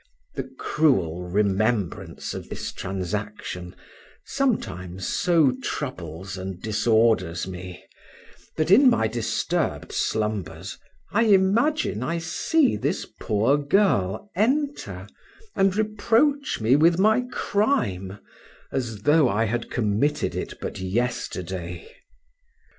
The cruel remembrance of this transaction, sometimes so troubles and disorders me, that, in my disturbed slumbers, I imagine I see this poor girl enter and reproach me with my crime, as though I had committed it but yesterday.